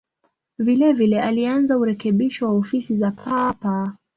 Vilevile alianza urekebisho wa ofisi za Papa.